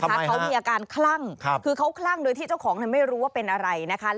เขามีอาการคลั่งคือเขาคลั่งโดยที่เจ้าของไม่รู้ว่าเป็นอะไรนะคะ